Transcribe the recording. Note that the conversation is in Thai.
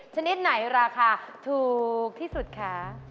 ชนิดไหนราคาถูกที่สุดคะ